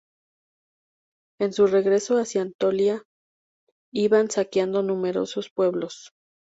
En su regreso hacia Anatolia, iban saqueando numerosos pueblos.